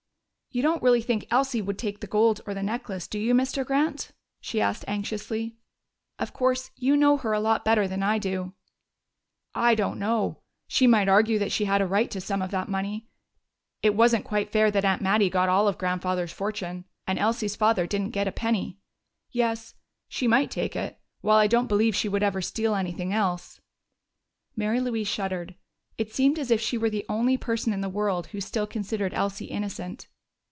"You don't really think Elsie would take the gold or the necklace, do you, Mr. Grant?" she asked anxiously. "Of course, you know her a lot better than I do." "I don't know. She might argue that she had a right to some of that money. It wasn't quite fair that Aunt Mattie got all of Grandfather's fortune, and Elsie's father didn't get a penny.... Yes, she might take it, while I don't believe she would ever steal anything else." Mary Louise shuddered: it seemed as if she were the only person in the world who still considered Elsie innocent.